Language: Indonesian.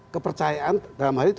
kepercayaan dalam hal itu